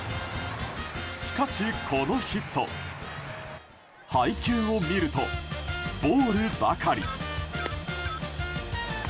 しかし、このヒット配球を見るとボールばかり。